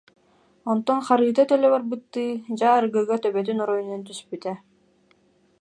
Онтон харыыта төлө барбыттыы, дьэ, арыгыга төбөтүн оройунан түспүтэ